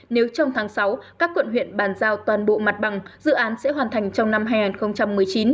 nếu trong tháng sáu các quận huyện bàn giao toàn bộ mặt bằng dự án sẽ hoàn thành trong năm hai nghìn một mươi chín